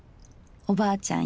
おばあちゃん